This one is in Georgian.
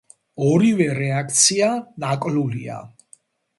ორივე რედაქცია ნაკლულია.